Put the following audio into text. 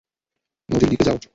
নদীর দিকে যাও!